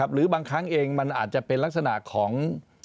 หรือบางครั้งเองมันอาจจะเป็นลักษณะของ